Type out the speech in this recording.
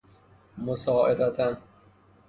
مساعدتاً